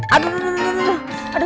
aduh aduh aduh